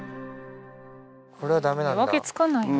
これはダメなんだ。